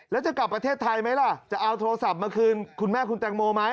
แล้วจะกลับประเทศไทยไหมล่ะจะเอาโทรศัพท์มาคืนคุณแม่คุณแตงโมไหม